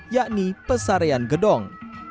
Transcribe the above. yakni pesarian gedong